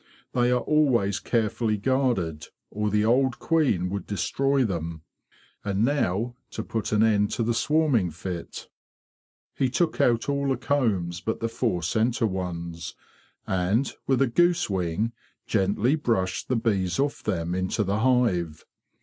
They are always care fully guarded, or the old queen would destroy them. And now to put an end to the swarming fit.'' He took out all the combs but the four centre ones; and, with a goose wing, gently brushed the bees off them into the hive.